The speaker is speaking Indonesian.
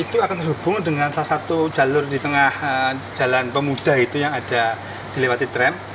itu akan terhubung dengan salah satu jalur di tengah jalan pemuda itu yang ada dilewati tram